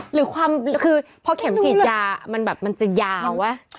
หรือความคือพอเข็มฉีดยามันจะยาวอะ